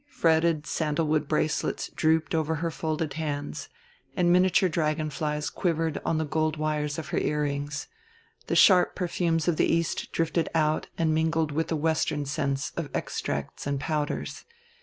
Fretted sandalwood bracelets drooped over her folded hands, and miniature dragon flies quivered on the gold wires of her earrings; the sharp perfumes of the East drifted out and mingled with the Western scents of extracts and powders.